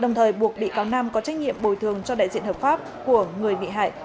đồng thời buộc bị cáo nam có trách nhiệm bồi thường cho đại diện hợp pháp của người bị hại